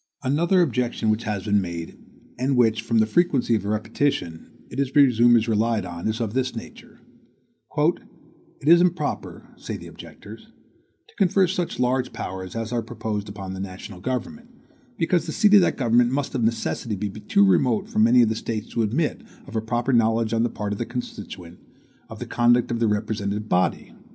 Another objection which has been made, and which, from the frequency of its repetition, it is to be presumed is relied on, is of this nature: "It is improper (say the objectors) to confer such large powers, as are proposed, upon the national government, because the seat of that government must of necessity be too remote from many of the States to admit of a proper knowledge on the part of the constituent, of the conduct of the representative body."